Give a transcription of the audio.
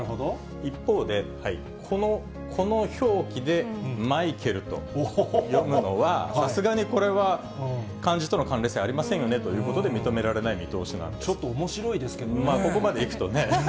一方で、この表記でマイケルと読むのは、さすがにこれは漢字との関連性ありませんよねということで、ちょっとおもしろいですけどここまでいくとね。